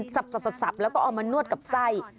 สับแล้วก็เอามานวดกับไส้